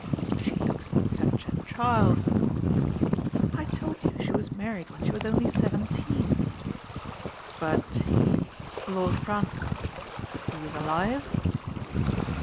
*'" She looks such a child !"" I told you she was married when she was only seventeen." " But he — Lord Francis — he is alive